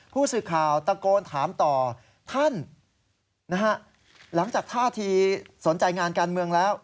ผู้สื่อข่าวตะโกนถามต่อท่านนะฮะหลังจากท่าทีสนใจงานการเมืองแล้ว